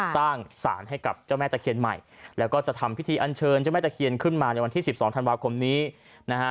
สารให้กับเจ้าแม่ตะเคียนใหม่แล้วก็จะทำพิธีอันเชิญเจ้าแม่ตะเคียนขึ้นมาในวันที่๑๒ธันวาคมนี้นะฮะ